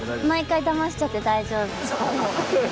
毎回だましちゃって大丈夫？